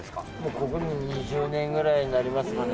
ここに２０年ぐらいになりますかね